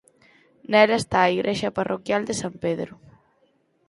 Nela está a igrexa parroquial de San Pedro.